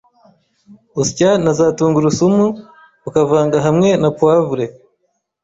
Usya na za tungurusumu ukavanga hamwe na poivre,